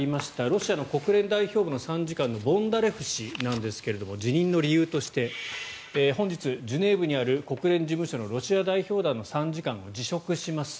ロシアの国連代表部の参事官のボンダレフ氏なんですが辞任の理由として本日、ジュネーブにある国連事務所のロシア代表団の参事官を辞職します